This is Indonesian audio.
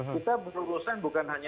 kita berurusan bukan hanya